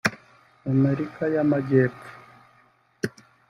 Amerika y’Amajyepfo